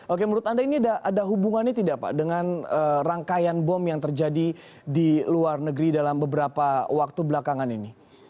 oke menurut anda ini ada hubungannya tidak pak dengan rangkaian bom yang terjadi di luar negeri dalam beberapa waktu belakangan ini